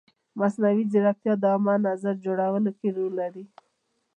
مصنوعي ځیرکتیا د عامه نظر جوړولو کې رول لري.